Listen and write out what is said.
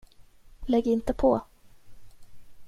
Lägg inte på!